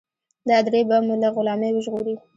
دا درې به مو له غلامۍ وژغوري.